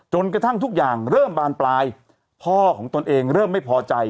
จนกระทั่งทุกอย่างเริ่มบานปลายพ่อของตนเองเริ่มไม่พอใจ